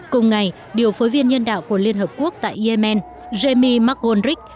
cùng ngày điều phối viên nhân đạo của liên hợp quốc tại yemen jamie mcgonrick